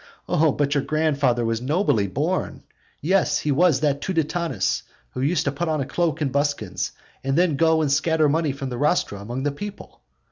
Oh, but your grandfather was nobly born. Yes, he was that Tuditanus who used to put on a cloak and buskins, and then go and scatter money from the rostra among the people.